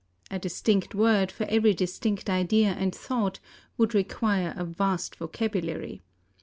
A distinct word for every distinct idea and thought would require a vast vocabulary.